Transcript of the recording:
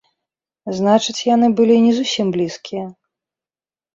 Значыць, яны былі не зусім блізкія.